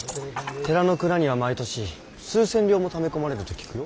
寺の蔵には毎年数千両もため込まれると聞くよ。